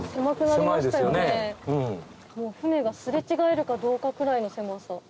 舟が擦れ違えるかどうかくらいの狭さ。